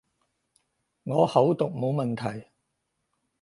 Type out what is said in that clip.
我口讀冇問題